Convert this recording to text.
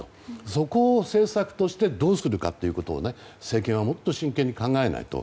そこを政策としてどうするかということを政権はもっと真剣に考えないと。